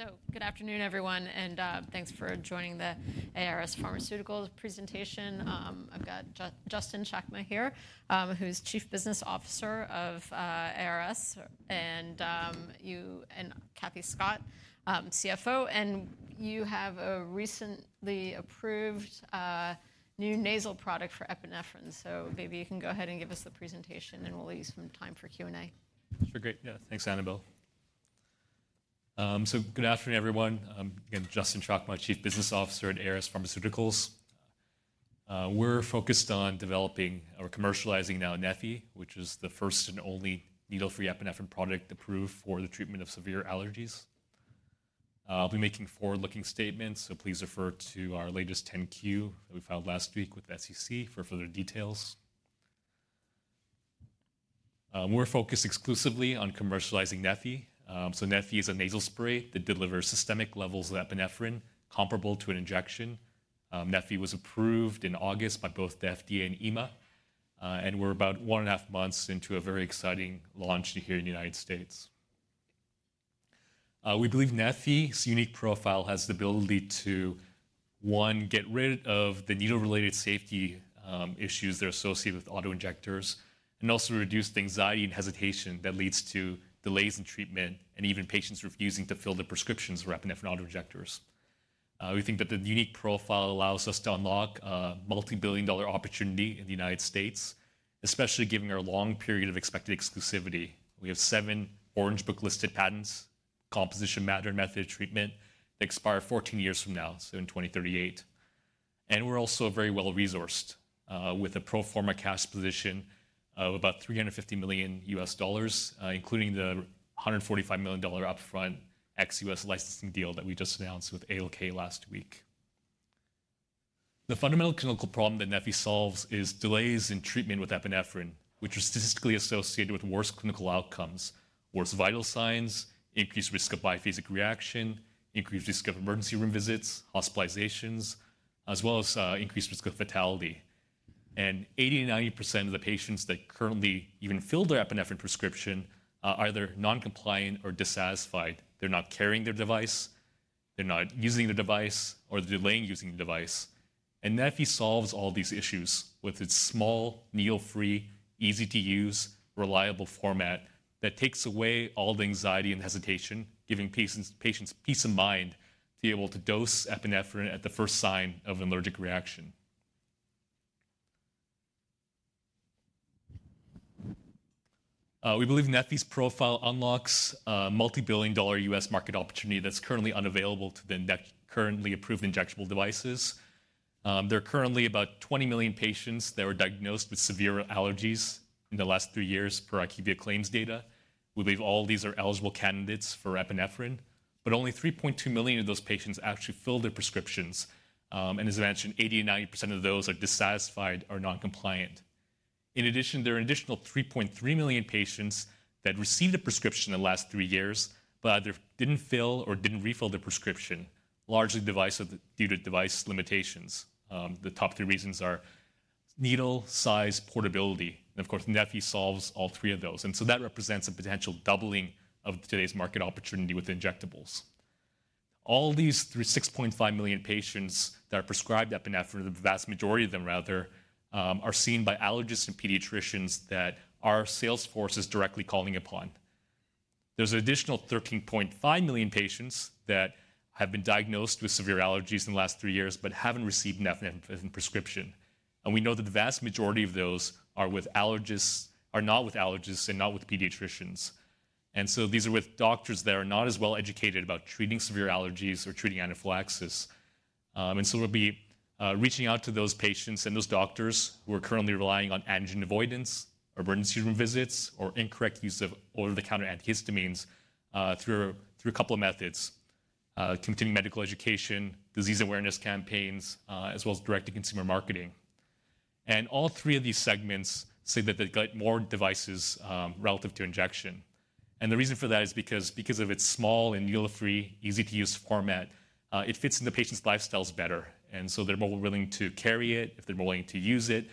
So, good afternoon, everyone, and thanks for joining the ARS Pharmaceuticals presentation. I've got Justin Chakma here, who's Chief Business Officer of ARS, and you and Kathy Scott, CFO. And you have a recently approved new nasal product for epinephrine. So maybe you can go ahead and give us the presentation, and we'll leave some time for Q&A. Sure, great. Yeah, thanks, Annabel. So, good afternoon, everyone. Again, Justin Chakma, Chief Business Officer at ARS Pharmaceuticals. We're focused on developing or commercializing now neffy, which is the first and only needle-free epinephrine product approved for the treatment of severe allergies. I'll be making forward-looking statements, so please refer to our latest 10-Q that we filed last week with the SEC for further details. We're focused exclusively on commercializing neffy. So, neffy is a nasal spray that delivers systemic levels of epinephrine comparable to an injection. neffy was approved in August by both the FDA and EMA, and we're about one and a half months into a very exciting launch here in the United States. We believe neffy's unique profile has the ability to, one, get rid of the needle-related safety issues that are associated with autoinjectors, and also reduce the anxiety and hesitation that leads to delays in treatment and even patients refusing to fill the prescriptions for epinephrine autoinjectors. We think that the unique profile allows us to unlock a multi-billion-dollar opportunity in the United States, especially given our long period of expected exclusivity. We have seven Orange Book-listed patents, composition of matter, and method of treatment that expire 14 years from now, so in 2038, and we're also very well-resourced with a pro forma cash position of about $350 million U.S. dollars, including the $145 million upfront ex-U.S. licensing deal that we just announced with ALK last week. The fundamental clinical problem that neffy solves is delays in treatment with epinephrine, which are statistically associated with worse clinical outcomes, worse vital signs, increased risk of biphasic reaction, increased risk of emergency room visits, hospitalizations, as well as increased risk of fatality. And 80%-90% of the patients that currently even fill their epinephrine prescription are either non-compliant or dissatisfied. They're not carrying their device. They're not using the device or delaying using the device. And neffy solves all these issues with its small, needle-free, easy-to-use, reliable format that takes away all the anxiety and hesitation, giving patients peace of mind to be able to dose epinephrine at the first sign of an allergic reaction. We believe neffy's profile unlocks a multi-billion dollar US market opportunity that's currently unavailable to the currently approved injectable devices. There are currently about 20 million patients that were diagnosed with severe allergies in the last three years per IQVIA claims data. We believe all of these are eligible candidates for epinephrine, but only 3.2 million of those patients actually fill their prescriptions. And as I mentioned, 80%-90% of those are dissatisfied or non-compliant. In addition, there are an additional 3.3 million patients that received a prescription in the last three years, but either didn't fill or didn't refill their prescription, largely due to device limitations. The top three reasons are needle size, portability, and of course, neffy solves all three of those. And so that represents a potential doubling of today's market opportunity with injectables. All these 6.5 million patients that are prescribed epinephrine, the vast majority of them rather, are seen by allergists and pediatricians that our sales force is directly calling upon. There's an additional 13.5 million patients that have been diagnosed with severe allergies in the last three years but haven't received an epinephrine prescription. And we know that the vast majority of those are not with allergists and not with pediatricians. And so these are with doctors that are not as well-educated about treating severe allergies or treating anaphylaxis. And so we'll be reaching out to those patients and those doctors who are currently relying on antigen avoidance or emergency room visits or incorrect use of over-the-counter antihistamines through a couple of methods: continuing medical education, disease awareness campaigns, as well as direct-to-consumer marketing. And all three of these segments say that they've got more devices relative to injection. And the reason for that is because of its small and needle-free, easy-to-use format. It fits into patients' lifestyles better. And so they're more willing to carry it if they're more willing to use it.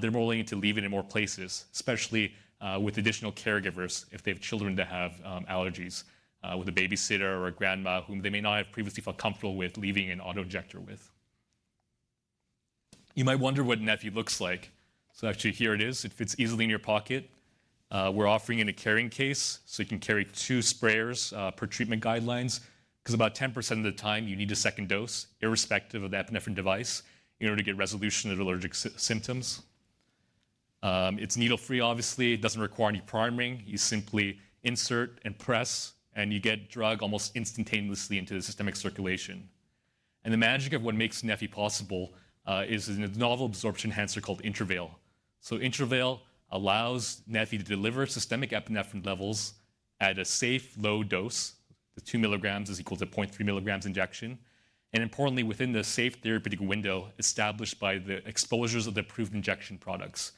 They're more willing to leave it in more places, especially with additional caregivers if they have children that have allergies, with a babysitter or a grandma whom they may not have previously felt comfortable with leaving an autoinjector with. You might wonder what neffy looks like. So actually, here it is. It fits easily in your pocket. We're offering it in a carrying case, so you can carry two sprayers per treatment guidelines, because about 10% of the time you need a second dose, irrespective of the epinephrine device, in order to get resolution of allergic symptoms. It's needle-free, obviously. It doesn't require any priming. You simply insert and press, and you get drug almost instantaneously into the systemic circulation. The magic of what makes neffy possible is a novel absorption enhancer called Intravail. Intravail allows neffy to deliver systemic epinephrine levels at a safe, low dose. The 2 milligrams is equal to 0.3 milligrams injection. Importantly, within the safe therapeutic window established by the exposures of the approved injection products.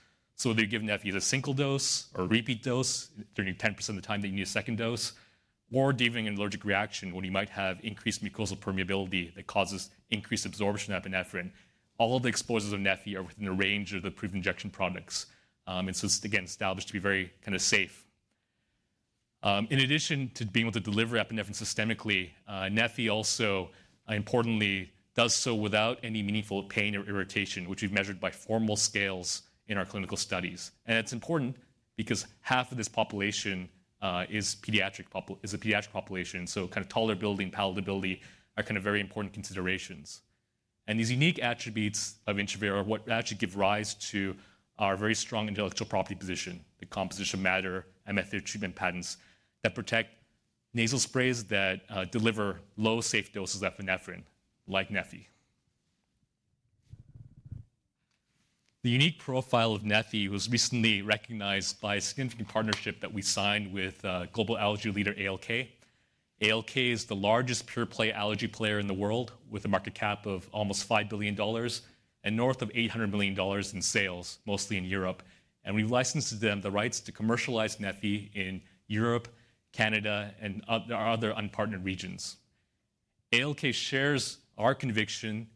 They give neffy a single dose or a repeat dose during 10% of the time that you need a second dose, or during an allergic reaction when you might have increased mucosal permeability that causes increased absorption of epinephrine. All of the exposures of neffy are within the range of the approved injection products. It's, again, established to be very kind of safe. In addition to being able to deliver epinephrine systemically, neffy also, importantly, does so without any meaningful pain or irritation, which we've measured by formal scales in our clinical studies. It's important because half of this population is a pediatric population. So kind of tolerability, palatability are kind of very important considerations. These unique attributes of Intravail are what actually give rise to our very strong intellectual property position, the composition, matter, and method of treatment patents that protect nasal sprays that deliver low safe doses of epinephrine, like neffy. The unique profile of neffy was recently recognized by a significant partnership that we signed with global allergy leader ALK. ALK is the largest pure-play allergy player in the world, with a market cap of almost $5 billion and north of $800 million in sales, mostly in Europe. And we've licensed them the rights to commercialize neffy in Europe, Canada, and other unpartnered regions. ALK shares our conviction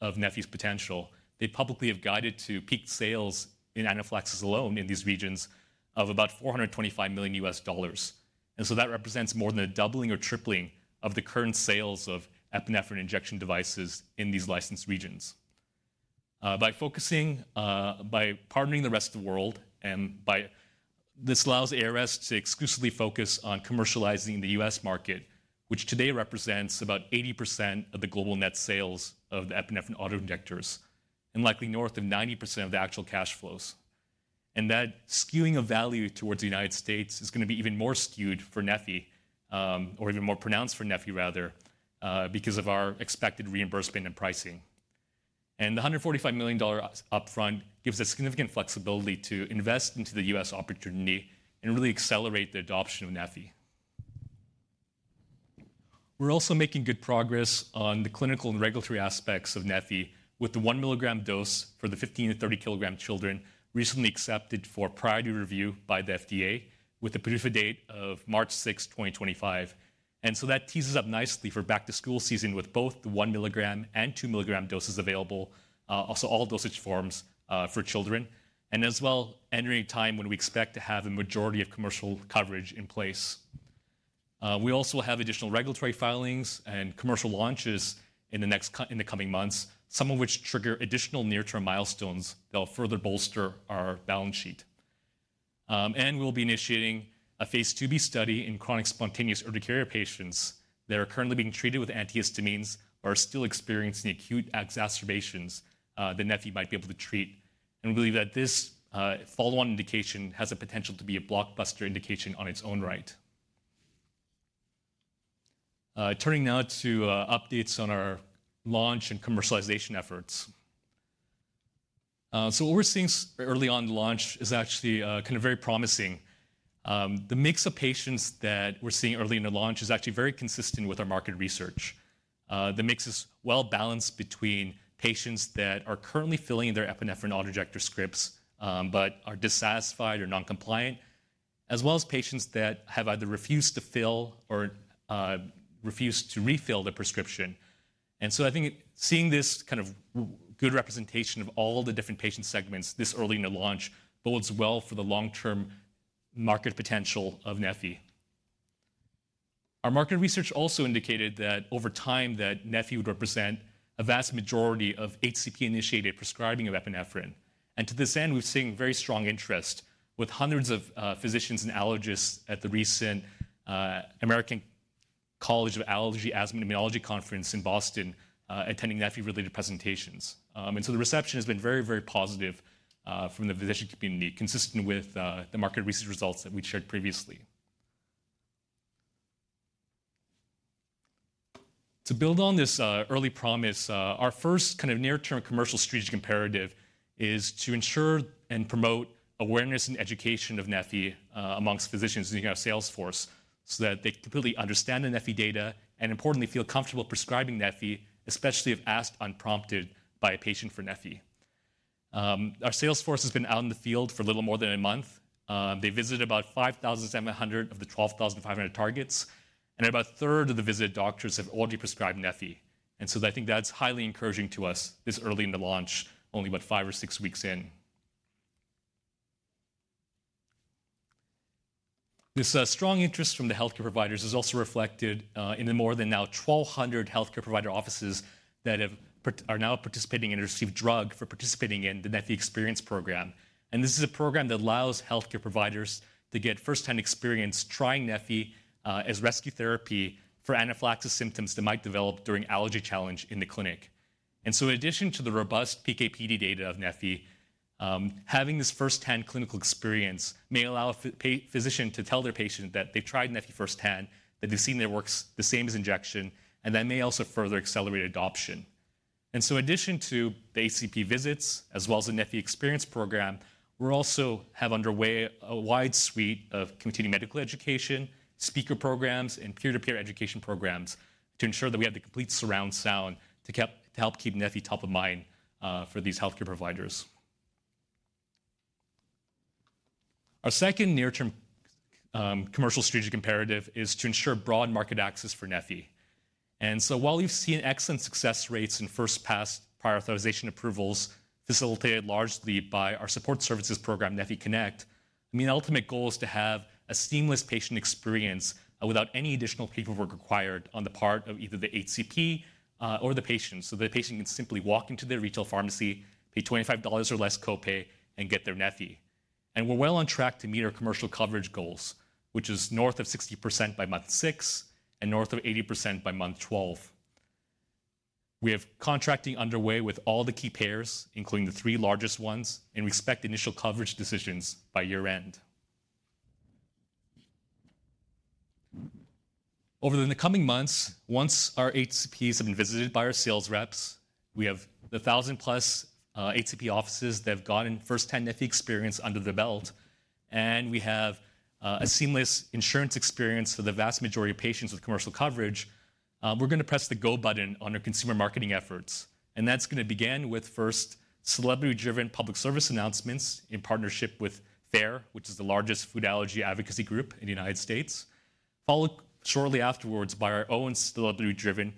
of neffy's potential. They publicly have guided to peak sales in anaphylaxis alone in these regions of about $425 million U.S. dollars. And so that represents more than a doubling or tripling of the current sales of epinephrine injection devices in these licensed regions. By partnering with the rest of the world, this allows ARS to exclusively focus on commercializing the U.S. market, which today represents about 80% of the global net sales of the epinephrine autoinjectors, and likely north of 90% of the actual cash flows. And that skewing of value towards the United States is going to be even more skewed for neffy, or even more pronounced for neffy, rather, because of our expected reimbursement and pricing. And the $145 million upfront gives us significant flexibility to invest into the U.S. opportunity and really accelerate the adoption of neffy. We're also making good progress on the clinical and regulatory aspects of neffy, with the one milligram dose for the 15-30 kg children recently accepted for priority review by the FDA, with a PDUFA date of March 6, 2025. And so that lines up nicely for back-to-school season with both the one milligram and two milligram doses available, also all dosage forms for children, and as well entering a time when we expect to have a majority of commercial coverage in place. We also have additional regulatory filings and commercial launches in the coming months, some of which trigger additional near-term milestones that will further bolster our balance sheet. We'll be initiating a Phase IIb study in chronic spontaneous urticaria patients that are currently being treated with antihistamines or are still experiencing acute exacerbations that neffy might be able to treat. We believe that this follow-on indication has the potential to be a blockbuster indication on its own right. Turning now to updates on our launch and commercialization efforts. What we're seeing early on the launch is actually kind of very promising. The mix of patients that we're seeing early in the launch is actually very consistent with our market research. The mix is well-balanced between patients that are currently filling their epinephrine autoinjector scripts but are dissatisfied or non-compliant, as well as patients that have either refused to fill or refused to refill their prescription. And so I think seeing this kind of good representation of all the different patient segments this early in the launch bodes well for the long-term market potential of neffy. Our market research also indicated that over time that neffy would represent a vast majority of HCP-initiated prescribing of epinephrine. And to this end, we've seen very strong interest with hundreds of physicians and allergists at the recent American College of Allergy, Asthma and Immunology Conference in Boston attending neffy-related presentations. And so the reception has been very, very positive from the physician community, consistent with the market research results that we shared previously. To build on this early promise, our first kind of near-term commercial strategic imperative is to ensure and promote awareness and education of neffy among physicians using our sales force so that they completely understand the neffy data and, importantly, feel comfortable prescribing neffy, especially if asked unprompted by a patient for neffy. Our sales force has been out in the field for a little more than a month. They visited about 5,700 of the 12,500 targets, and about a third of the visited doctors have already prescribed neffy. And so I think that's highly encouraging to us this early in the launch, only about five or six weeks in. This strong interest from the healthcare providers is also reflected in now more than 1,200 healthcare provider offices that are now participating in and received drugs for participating in the neffy Experience Program. And this is a program that allows healthcare providers to get first-hand experience trying neffy as rescue therapy for anaphylaxis symptoms that might develop during allergy challenge in the clinic. And so in addition to the robust PK/PD data of neffy, having this first-hand clinical experience may allow physicians to tell their patients that they've tried neffy first-hand, that they've seen their work the same as injection, and that may also further accelerate adoption. And so in addition to the HCP visits, as well as the neffy Experience Program, we also have underway a wide suite of continuing medical education, speaker programs, and peer-to-peer education programs to ensure that we have the complete surround sound to help keep neffy top of mind for these healthcare providers. Our second near-term commercial strategic imperative is to ensure broad market access for neffy. While we've seen excellent success rates in first-pass prior authorization approvals facilitated largely by our support services program, neffy Connect, I mean, the ultimate goal is to have a seamless patient experience without any additional paperwork required on the part of either the HCP or the patient. The patient can simply walk into their retail pharmacy, pay $25 or less copay, and get their neffy. We're well on track to meet our commercial coverage goals, which is north of 60% by month six and north of 80% by month 12. We have contracting underway with all the key payers, including the three largest ones, and we expect initial coverage decisions by year-end. Over the coming months, once our HCPs have been visited by our sales reps, we have the 1,000+ HCP offices that have gotten first-hand neffy experience under their belt, and we have a seamless insurance experience for the vast majority of patients with commercial coverage. We're going to press the go button on our consumer marketing efforts, and that's going to begin with first celebrity-driven public service announcements in partnership with FARE, which is the largest food allergy advocacy group in the United States, followed shortly afterwards by our own celebrity-driven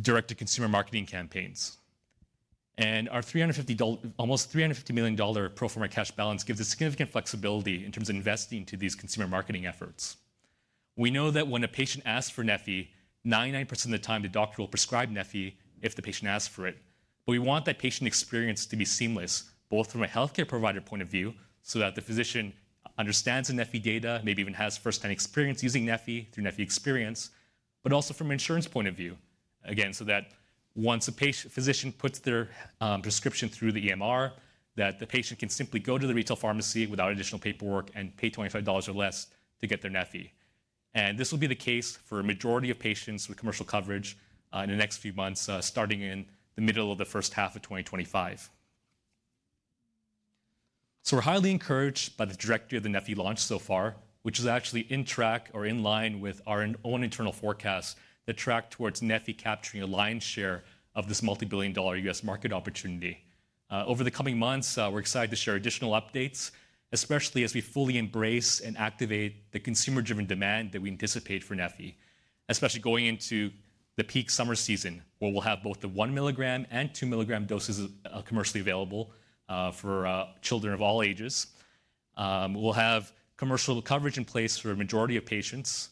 direct-to-consumer marketing campaigns, and our almost $350 million pro forma cash balance gives us significant flexibility in terms of investing into these consumer marketing efforts. We know that when a patient asks for neffy, 99% of the time the doctor will prescribe neffy if the patient asks for it. But we want that patient experience to be seamless, both from a healthcare provider point of view, so that the physician understands the neffy data, maybe even has first-hand experience using neffy through neffy Experience, but also from an insurance point of view, again, so that once a physician puts their prescription through the EMR, that the patient can simply go to the retail pharmacy without additional paperwork and pay $25 or less to get their neffy. And this will be the case for a majority of patients with commercial coverage in the next few months, starting in the middle of the first half of 2025. So we're highly encouraged by the trajectory of the neffy launch so far, which is actually in track or in line with our own internal forecasts that track towards neffy capturing a lion's share of this multi-billion dollar U.S. market opportunity. Over the coming months, we're excited to share additional updates, especially as we fully embrace and activate the consumer-driven demand that we anticipate for neffy, especially going into the peak summer season, where we'll have both the one milligram and two milligram doses commercially available for children of all ages. We'll have commercial coverage in place for a majority of patients,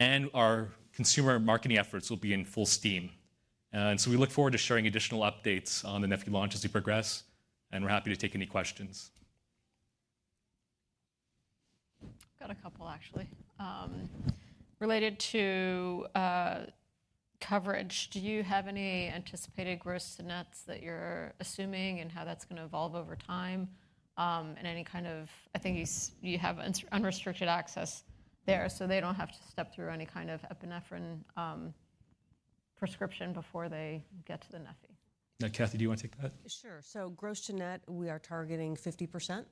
and our consumer marketing efforts will be in full steam, and so we look forward to sharing additional updates on the neffy launch as we progress, and we're happy to take any questions. I've got a couple, actually. Related to coverage, do you have any anticipated gross to nets that you're assuming and how that's going to evolve over time, and any kind of, I think you have unrestricted access there, so they don't have to step through any kind of epinephrine prescription before they get to the neffy. Now, Kathy, do you want to take that? Sure. So gross to net, we are targeting 50%.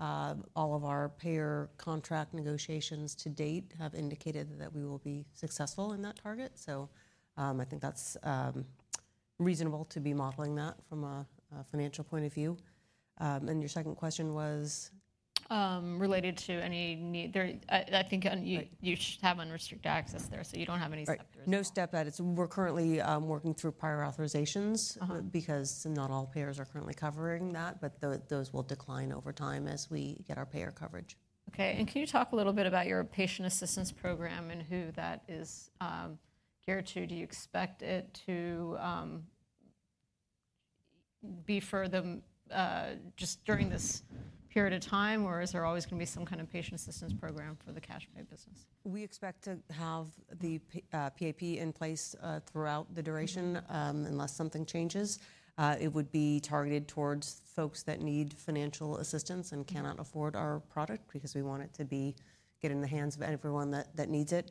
All of our payer contract negotiations to date have indicated that we will be successful in that target. So I think that's reasonable to be modeling that from a financial point of view. And your second question was? Related to any need, I think you have unrestricted access there, so you don't have any step there. No setback. We're currently working through prior authorizations because not all payers are currently covering that, but those will decline over time as we get our payer coverage. Okay. And can you talk a little bit about your patient assistance program and who that is geared to? Do you expect it to be for just during this period of time, or is there always going to be some kind of patient assistance program for the cash pay business? We expect to have the PAP in place throughout the duration unless something changes. It would be targeted towards folks that need financial assistance and cannot afford our product because we want it to get in the hands of everyone that needs it.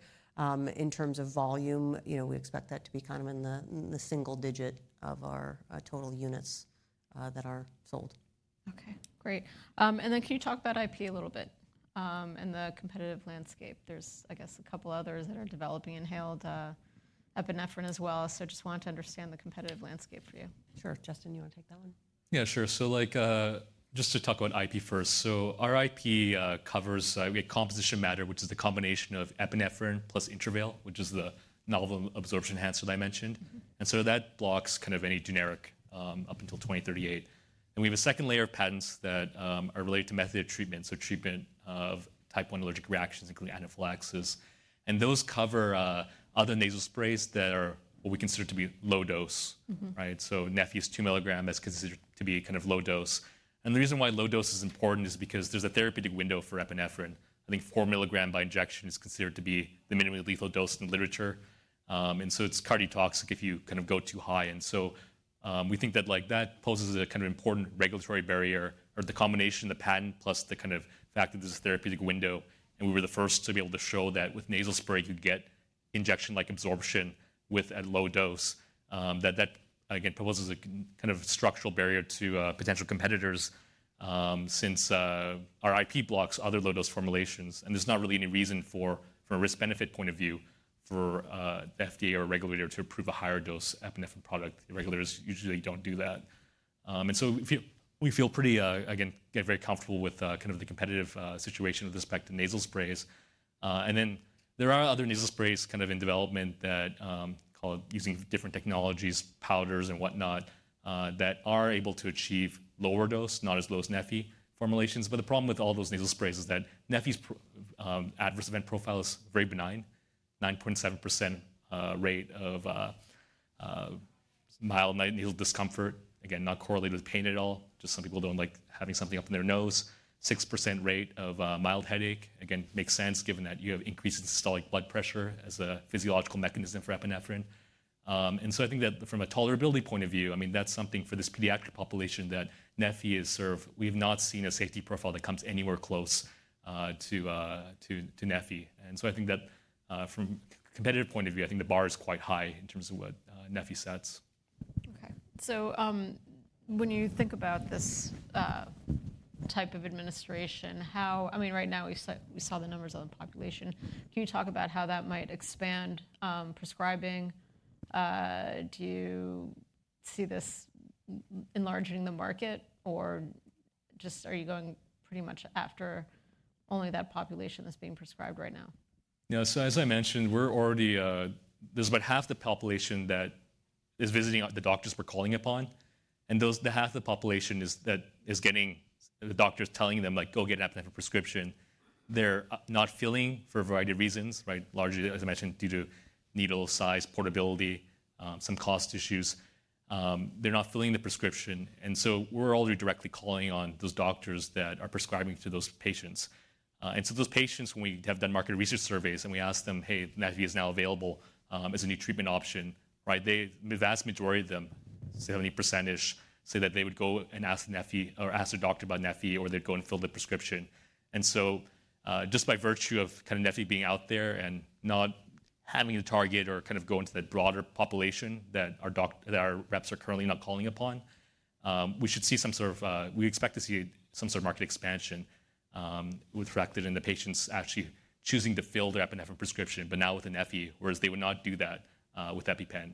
In terms of volume, we expect that to be kind of in the single digit of our total units that are sold. Okay. Great. And then can you talk about IP a little bit and the competitive landscape? There's, I guess, a couple others that are developing inhaled epinephrine as well. So I just want to understand the competitive landscape for you. Sure. Justin, you want to take that one? Yeah, sure. So just to talk about IP first, so our IP covers composition of matter, which is the combination of epinephrine plus Intravail, which is the novel absorption enhancer that I mentioned. And so that blocks kind of any generic up until 2038. And we have a second layer of patents that are related to method of treatment, so treatment of type 1 allergic reactions, including anaphylaxis. And those cover other nasal sprays that are what we consider to be low dose, right? So neffy is two milligrams, that's considered to be kind of low dose. And the reason why low dose is important is because there's a therapeutic window for epinephrine. I think four milligrams by injection is considered to be the minimally lethal dose in the literature. And so it's cardiotoxic if you kind of go too high. And so we think that that poses a kind of important regulatory barrier or the combination, the patent plus the kind of fact that there's a therapeutic window, and we were the first to be able to show that with nasal spray, you get injection-like absorption with a low dose, that that, again, poses a kind of structural barrier to potential competitors since our IP blocks other low-dose formulations. And there's not really any reason from a risk-benefit point of view for the FDA or a regulator to approve a higher dose epinephrine product. Regulators usually don't do that. And so we feel pretty, again, get very comfortable with kind of the competitive situation with respect to nasal sprays. And then there are other nasal sprays kind of in development that, using different technologies, powders, and whatnot, that are able to achieve lower dose, not as low as neffy formulations. But the problem with all those nasal sprays is that neffy's adverse event profile is very benign, 9.7% rate of mild nasal discomfort, again, not correlated with pain at all, just some people don't like having something up in their nose, 6% rate of mild headache, again, makes sense given that you have increased systolic blood pressure as a physiological mechanism for epinephrine. And so I think that from a tolerability point of view, I mean, that's something for this pediatric population that neffy is served. We have not seen a safety profile that comes anywhere close to neffy. And so I think that from a competitive point of view, I think the bar is quite high in terms of what neffy sets. Okay. So when you think about this type of administration, how, I mean, right now we saw the numbers on the population. Can you talk about how that might expand prescribing? Do you see this enlarging the market, or just are you going pretty much after only that population that's being prescribed right now? Yeah. So as I mentioned, we're already. There's about half the population that is visiting the doctors we're calling upon. And the half of the population that is getting the doctors telling them, like, "Go get an epinephrine prescription," they're not filling for a variety of reasons, right? Largely, as I mentioned, due to needle size, portability, some cost issues. They're not filling the prescription. And so we're already directly calling on those doctors that are prescribing to those patients. And so those patients, when we have done market research surveys and we ask them, "Hey, neffy is now available as a new treatment option," right? The vast majority of them, 70%-ish, say that they would go and ask the neffy or ask the doctor about neffy, or they'd go and fill the prescription. And so just by virtue of kind of neffy being out there and not having to target or kind of go into that broader population that our reps are currently not calling upon, we should see some sort of, we expect to see some sort of market expansion with respect to the patients actually choosing to fill their epinephrine prescription, but now with neffy, whereas they would not do that with EpiPen.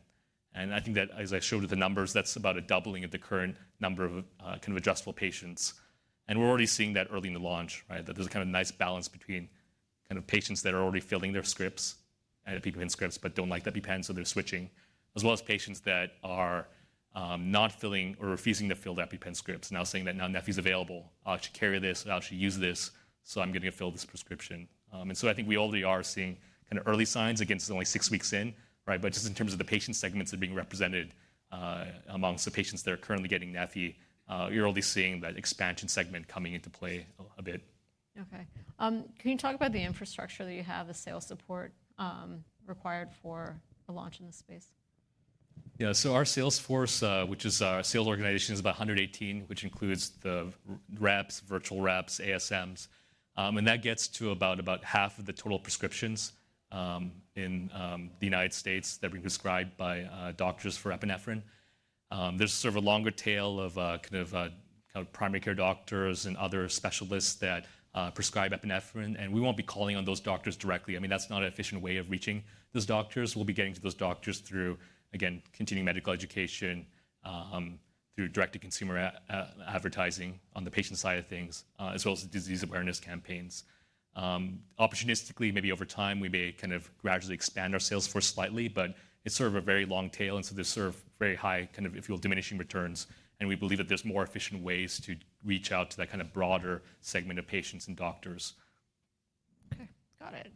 And I think that, as I showed with the numbers, that's about a doubling of the current number of kind of addressable patients. And we're already seeing that early in the launch, right? That there's a kind of nice balance between kind of patients that are already filling their scripts and people in scripts but don't like the EpiPen, so they're switching, as well as patients that are not filling or refusing to fill the EpiPen scripts, now saying that, "Now neffy's available. I'll actually carry this. I'll actually use this, so I'm going to fill this prescription." And so I think we already are seeing kind of early signs after only six weeks in, right? But just in terms of the patient segments that are being represented amongst the patients that are currently getting neffy, you're already seeing that expansion segment coming into play a bit. Okay. Can you talk about the infrastructure that you have, the sales support required for a launch in this space? Yeah. So our sales force, which is our sales organization, is about 118, which includes the reps, virtual reps, ASMs. And that gets to about half of the total prescriptions in the United States that are being prescribed by doctors for epinephrine. There's sort of a longer tail of kind of primary care doctors and other specialists that prescribe epinephrine. And we won't be calling on those doctors directly. I mean, that's not an efficient way of reaching those doctors. We'll be getting to those doctors through, again, continuing medical education, through direct-to-consumer advertising on the patient side of things, as well as disease awareness campaigns. Opportunistically, maybe over time, we may kind of gradually expand our sales force slightly, but it's sort of a very long tail. And so there's sort of very high kind of, if you will, diminishing returns. We believe that there's more efficient ways to reach out to that kind of broader segment of patients and doctors. Okay. Got it.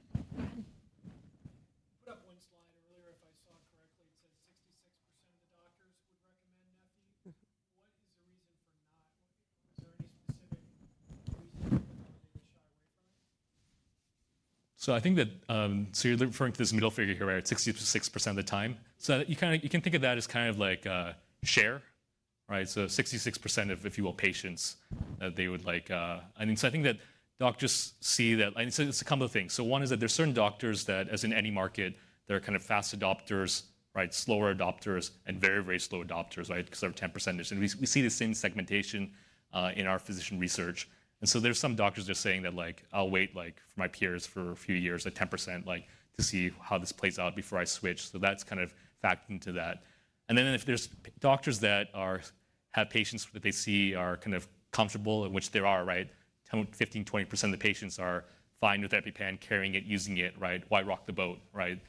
I put up one slide earlier. If I saw it correctly, it said 66% of the doctors would recommend neffy. What is the reason for not? Is there any specific reason for them to shy away from it? So I think that, so you're referring to this middle figure here, right? 66% of the time. So you can think of that as kind of like share, right? So 66% of, if you will, patients, they would like, I mean, so I think that doctors see that, and it's a couple of things. So one is that there's certain doctors that, as in any market, they're kind of fast adopters, right? Slower adopters and very, very slow adopters, right? Because they're 10%. And we see the same segmentation in our physician research. And so there's some doctors that are saying that, like, I'll wait for my peers for a few years, like 10%, to see how this plays out before I switch. So that's kind of factored into that. And then if there's doctors that have patients that they see are kind of comfortable, which they are, right? 15%-20% of the patients are fine with EpiPen, carrying it, using it, right? Why rock the boat, right?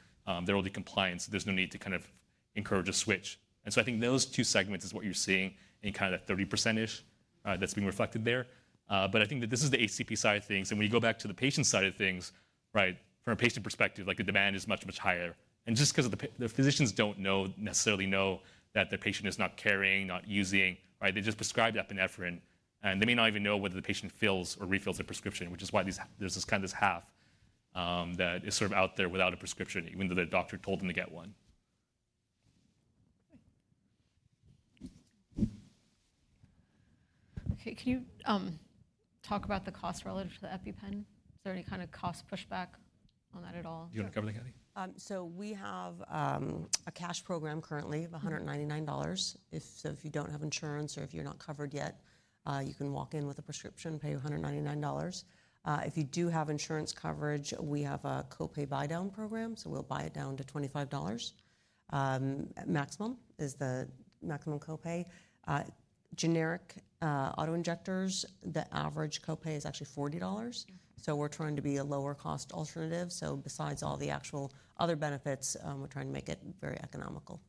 They're already compliant, so there's no need to kind of encourage a switch. And so I think those two segments is what you're seeing in kind of that 30%ish that's being reflected there. But I think that this is the HCP side of things. And when you go back to the patient side of things, right, from a patient perspective, like the demand is much, much higher. And just because the physicians don't know, necessarily know that their patient is not carrying, not using, right? They just prescribed epinephrine, and they may not even know whether the patient fills or refills their prescription, which is why there's this kind of half that is sort of out there without a prescription, even though the doctor told them to get one. Okay. Can you talk about the cost relative to the EpiPen? Is there any kind of cost pushback on that at all? Do you want to cover that, Kathy? We have a cash program currently of $199. So if you don't have insurance or if you're not covered yet, you can walk in with a prescription, pay $199. If you do have insurance coverage, we have a copay buy-down program, so we'll buy it down to $25 maximum is the maximum copay. Generic autoinjectors, the average copay is actually $40. So we're trying to be a lower-cost alternative. So besides all the actual other benefits, we're trying to make it very economical.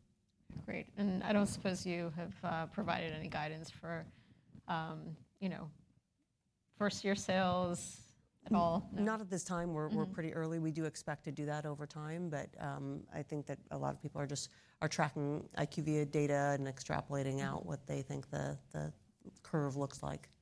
Great, and I don't suppose you have provided any guidance for first-year sales at all? Not at this time. We're pretty early. We do expect to do that over time, but I think that a lot of people are just tracking IQVIA data and extrapolating out what they think the curve looks like. Okay. Great.